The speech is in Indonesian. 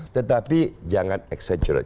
tetapi jangan exaggerate